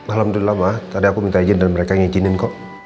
alhamdulillah ma tadi aku minta izin dan mereka yang izinin kok